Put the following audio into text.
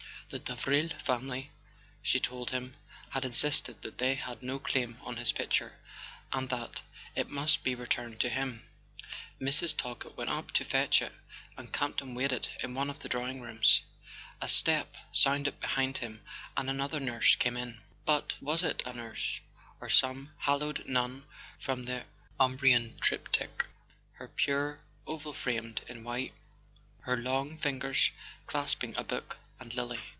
The Davril fam¬ ily, she told him, had insisted that they had no claim on his picture, and that it must be returned to him. Mrs. Talkett went up to fetch it; and Campton waited in one of the drawing rooms. A step sounded behind him, and another nurse came in—but was it a nurse, or some haloed nun from a Umbrian triptych, her pure oval framed in white, her long fingers clasping a book and lily